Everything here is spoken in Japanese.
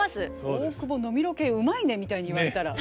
「大久保飲みロケうまいね」みたいに言われたら。